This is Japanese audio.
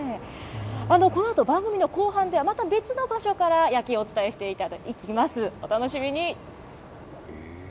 このあと、番組の後半では、また別の場所から、夜景をお伝えしていきます。